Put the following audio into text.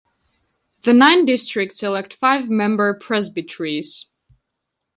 The nine districts elect five member presbyteries.